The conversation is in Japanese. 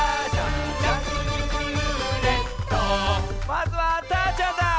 まずはたーちゃんだ！